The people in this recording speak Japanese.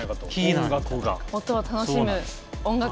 音を楽しむ音楽。